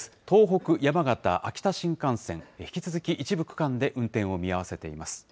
東北・山形・秋田新幹線、引き続き一部区間で運転を見合わせています。